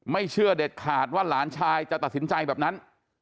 เชื่อเด็ดขาดว่าหลานชายจะตัดสินใจแบบนั้น